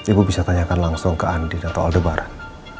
ibu bisa tanyakan langsung ke andi atau aldebaran